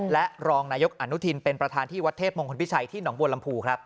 และรองนายกอนุทินเป็นประธานที่วัดเทพมงคลพิชัยที่หนองบัวลำพูครับ